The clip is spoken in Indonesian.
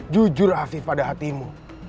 jujur afif pada hatimu